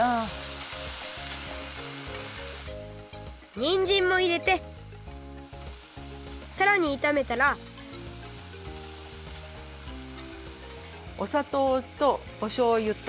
にんじんも入れてさらにいためたらおさとうとおしょうゆと。